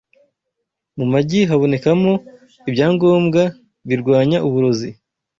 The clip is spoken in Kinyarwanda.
Mu magi habonekamo ibyangombwa birwanya uburozi.